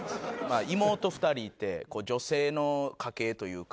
妹２人いて女性の家系というか。